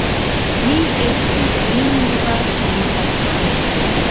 Li estis Lingva Komitatano.